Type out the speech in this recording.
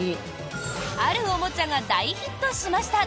あるおもちゃが大ヒットしました。